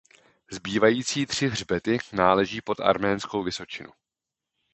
Zbývající tři hřbety náleží pod Arménskou vysočinu.